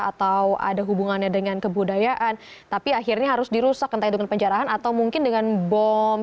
atau ada hubungannya dengan kebudayaan tapi akhirnya harus dirusak entahnya dengan penjarahan atau mungkin dengan bom